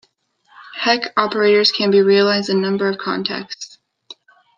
Hecke operators can be realized in a number of contexts.